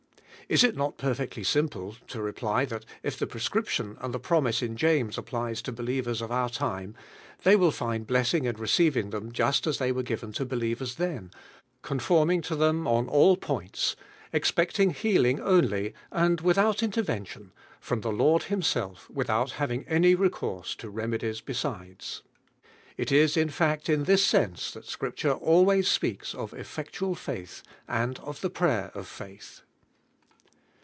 Is k not perfectly simple lo reply that if the prescription and the promise in James applies to believers of our time, they will find blessing In receiving them jUSt ;ik they were given to believers then, roiih>ttiiin<i lo tlicin on :ill poinK i xperi ing healing only, and without interven tion from the Lord Himself, without hav ing any reeuurse to remedies besides. It is, in fact, in tins sense that Scripture al ways speaks of effectual faith and of the prayer of faith.